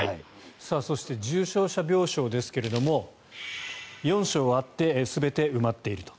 そして、重症者病床ですが４床あって全て埋まっていると。